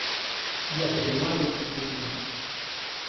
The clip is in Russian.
Я подымаю рельсовый бунт.